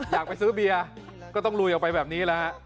อยากไปซื้อเบียร์ก็ต้องลุยออกไปแบบนี้แล้วฮะ